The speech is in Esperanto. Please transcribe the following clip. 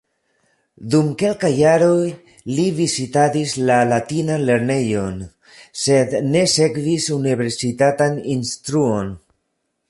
Dum kelkaj jaroj li vizitadis la latinan lernejon, sed ne sekvis universitatan instruon.